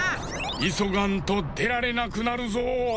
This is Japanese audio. いそがんとでられなくなるぞ！